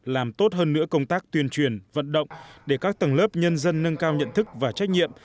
làm tốt hơn nữa công tác tuyên truyền vận động để các tầng lớp nhân dân nâng cao nhận thức và trách nhiệm